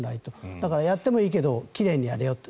だからやってもいいけど奇麗にやれよと。